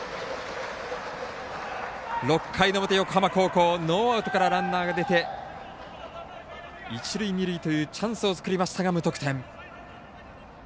６回の表、横浜高校ノーアウトからランナーが出て一塁、二塁というチャンスを作りましたが、無得点。